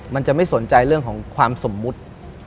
มันจะไม่สนใจเรื่องของความสมมุติ